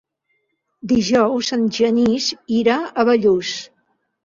Dijous en Genís irà a Bellús.